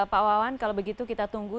pak wawan kalau begitu kita tunggu